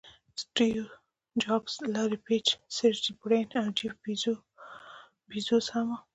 سټیو جابز، لاري پیج، سرجي برین او جیف بیزوز هم وو.